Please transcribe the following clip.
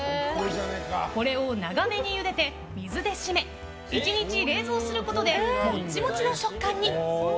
これを長めにゆでて水で締め１日冷蔵することでモッチモチの食感に。